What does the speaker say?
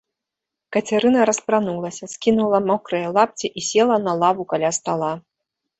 Кацярына распранулася, скінула мокрыя лапці і села на лаву каля стала.